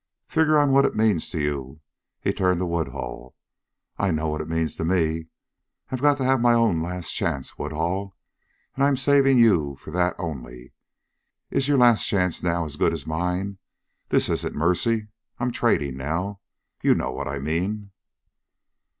"Figure on what it means to you." He turned to Woodhull. "I know what it means to me. I've got to have my own last chance, Woodhull, and I'm saving you for that only. Is your last chance now as good as mine? This isn't mercy I'm trading now. You know what I mean."